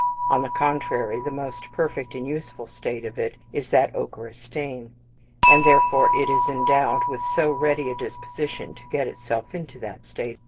On the contrary, the most perfect and useful state of it is that ochreous stain; and therefore it is endowed with so ready a disposition to get itself into that state.